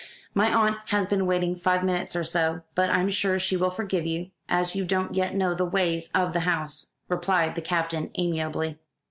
"My aunt has been waiting five minutes or so; but I'm sure she will forgive you, as you don't yet know the ways of the house," replied the Captain amiably.